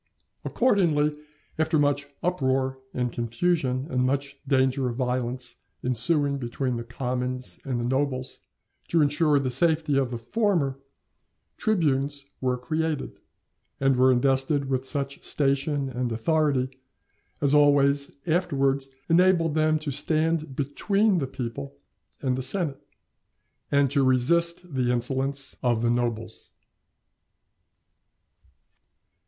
Accordingly, after much uproar and confusion, and much danger of violence ensuing between the commons and the nobles, to insure the safety of the former, tribunes were created, and were invested with such station and authority as always afterwards enabled them to stand between the people and the senate, and to resist the insolence of the nobles.